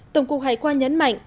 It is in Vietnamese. tổng cục hải quan nhấn mạnh